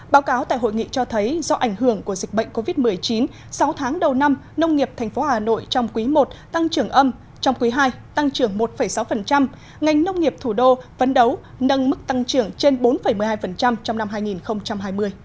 báo cáo tại hội nghị cho thấy do ảnh hưởng của dịch bệnh covid một mươi chín sáu tháng đầu năm nông nghiệp thành phố hà nội trong quý i tăng trưởng âm trong quý ii tăng trưởng một sáu ngành nông nghiệp thủ đô vấn đấu nâng mức tăng trưởng trên bốn một mươi hai trong năm hai nghìn hai mươi